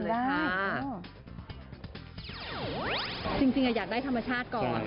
จริงอยากได้ธรรมชาติก่อน